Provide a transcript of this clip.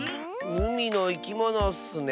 うみのいきものッスね。